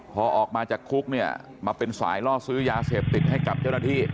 พอออกมาจากคุกเนี่ยมาเป็นสายล่อซื้อยาเสพติดให้กับเจ้าหน้าที่